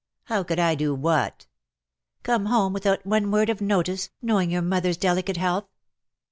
" How could I do what ?"" Come home without one word of notice, know ing your mother^s delicate health.''